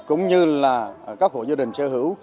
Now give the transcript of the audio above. cũng như là các hội gia đình sở hữu